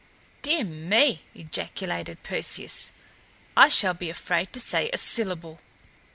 "Dear me!" ejaculated Perseus; "I shall be afraid to say a syllable."